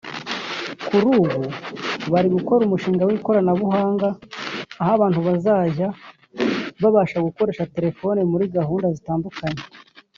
Kuri ubu bari gukora umushinga w’ikoranabuhanga aho abantu bazajya babasha gukoresha telefoni muri gahunda zitandukanhye